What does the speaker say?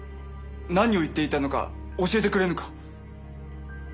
何を言っていたのか教えてくれぬか？